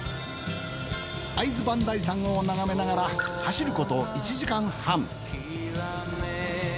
会津磐梯山を眺めながら走ること１時間半。